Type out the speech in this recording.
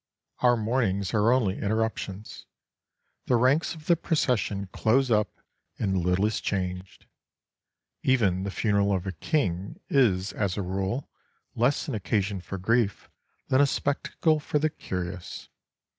Our mournings are only interruptions. The ranks of the procession close up and little is changed. Even the funeral of a king is as a rule less an occasion for grief than a spectacle for the curious.